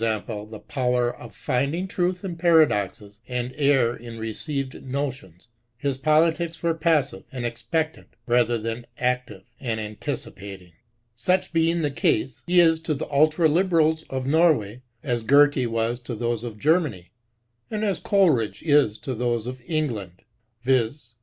e. the power of finding truth in paradoxes, and error in received notions) his politics were passive and expectant, rather than active and anticipating. 152 TRESCHOW. Such being the case, he is to the Ultra Liberals of Norway, as Goethe was to those of Germany, and as Coleridge is to those of England ; viz.